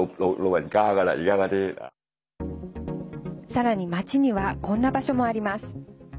さらに、街にはこんな場所もあります。